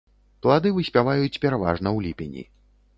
Плады выспяваюць пераважна ў ліпені.